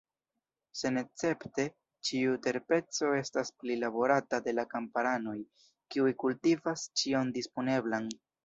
Senescepte, ĉiu terpeco estas prilaborata de la kamparanoj, kiuj kultivas ĉion disponeblan.